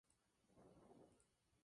Es la segunda cueva más larga en la isla.